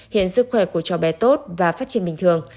hiện sức khỏe của cháu bé tốt và phát triển bình thường